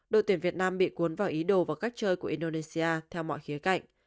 đội tuyển việt nam bị cuốn vào ý đồ và cách chơi của indonesia theo mọi khía cạnh